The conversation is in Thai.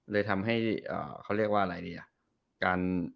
เลยทำให้เขาเรียกว่าอะไรดีอ่ะ